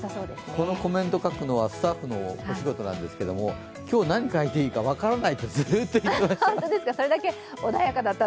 このコメントを書くのはスタッフのお仕事なんですが今日何書いていいか分からないとずっと言ってました。